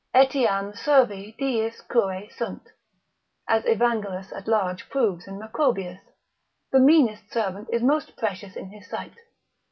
Etiam servi diis curae sunt, as Evangelus at large proves in Macrobius, the meanest servant is most precious in his sight.